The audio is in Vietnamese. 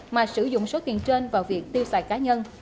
mà sử dụng số tiền trên vào việc tiêu xài cá nhân